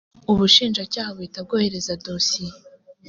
ubushinjacyaha buhita bwohereza dosiye